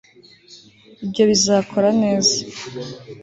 ibyo bizakora neza